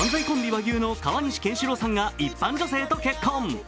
和牛の川西賢志郎さんが一般女性と結婚。